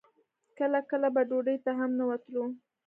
کله کله به ډوډۍ ته هم نه وتلو.